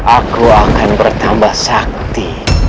aku akan bertambah sakti